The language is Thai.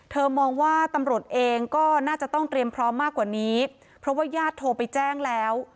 มองว่าตำรวจเองก็น่าจะต้องเตรียมพร้อมมากกว่านี้เพราะว่าญาติโทรไปแจ้งแล้ว